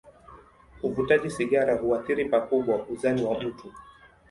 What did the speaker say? Uvutaji sigara huathiri pakubwa uzani wa mtu.